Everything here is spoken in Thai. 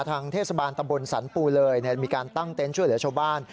วิศบาลตะบลสันปูเลยมีการตั้งเต้นช่วยเหลือชาวบ้าน